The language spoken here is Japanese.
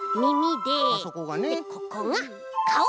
でここがかお。